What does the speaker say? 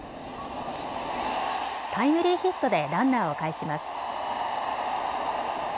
タイムリーヒットでランナーをかえします。